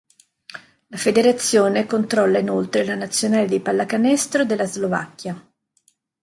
La federazione controlla inoltre la nazionale di pallacanestro della Slovacchia.